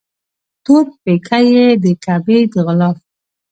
تور پیکی یې د کعبې د غلاف